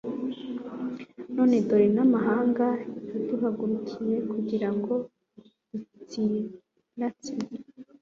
none dore n'amahanga yaduhagurukiye kugira ngo adutsiratsize